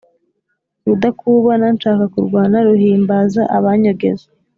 Rudakubana nshaka kurwana, ruhimbaza abanyogeza.